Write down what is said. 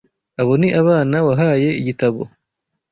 Abo ni abana wahaye igitabo.